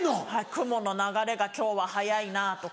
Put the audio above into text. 雲の流れが今日は速いなぁとか。